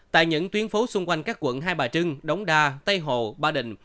tại những tuyến phố xung quanh các quận hai bà trưng đống đa tây hồ ba đình